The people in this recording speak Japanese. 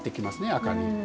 赤に。